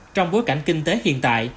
trong bối cảnh kinh tế hiện tại